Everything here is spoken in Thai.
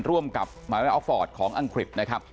ร่วมกับมหาวิทยาลัยออฟฟอร์ตของอังกฤษนะครับ